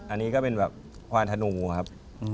อันนี้ก็เป็นแบบควานธนูครับ